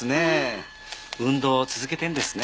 運動を続けてるんですね。